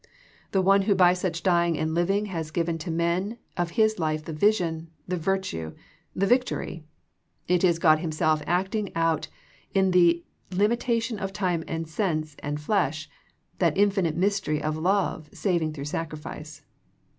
The One who by such dying and living has given to men of His life the vision, the virtue, the vic tory. It is God Himself acting out in the limita tion of time and sense and flesh that infinite mys tery of love saving through sacrifice.